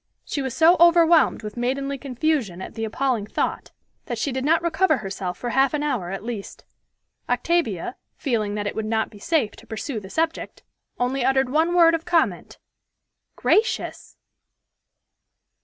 She was so overwhelmed with maidenly confusion at the appalling thought, that she did not recover herself for half an hour at least. Octavia, feeling that it would not be safe to pursue the subject, only uttered one word of comment, "Gracious!"